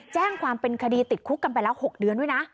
แจ้งความเป็นคดีติดคุกกันไปแล้ว๖เดือนด้วยนะ